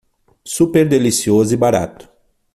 Super delicioso e barato